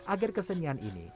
agar kesenian ini